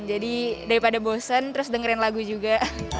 jadi daripada bosen terus dengerin lagu juga